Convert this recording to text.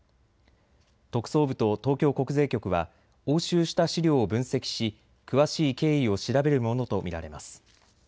特捜部と東京国税局は押収した資料を分析し、詳しい経緯を調べるものと見られます。